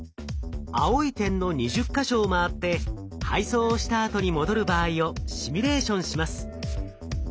青い点の２０か所を回って配送をしたあとに戻る場合をシミュレーションします。